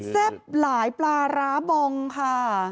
แซ่บหลายปลาร้าบองค่ะ